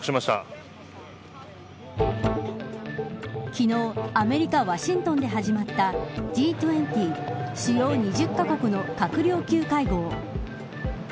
昨日アメリカ、ワシントンで始まったＧ２０主要２０カ国の閣僚級会合。